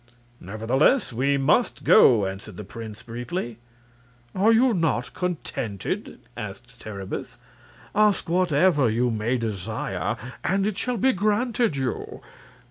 "Nevertheless, we must go," answered the prince, briefly. "Are you not contented?" asked Terribus. "Ask whatever you may desire, and it shall be granted you."